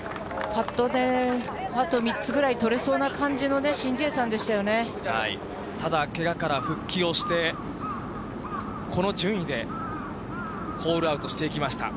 パットであと３つぐらい取れそうな感じのね、ただ、けがから復帰をして、この順位でホールアウトしていきました。